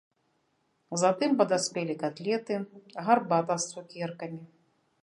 Затым падаспелі катлеты, гарбата з цукеркамі.